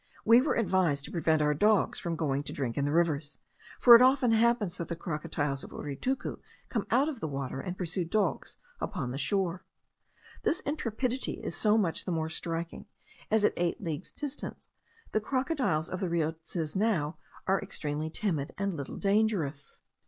We were advised to prevent our dogs from going to drink in the rivers, for it often happens that the crocodiles of Uritucu come out of the water, and pursue dogs upon the shore. This intrepidity is so much the more striking, as at eight leagues distance, the crocodiles of the Rio Tisnao are extremely timid, and little dangerous.